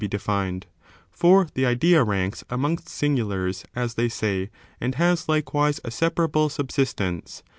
^0 be defined ; for the idea ranks amongst singu lars, as they say, and has, likewise, a separable subsistence.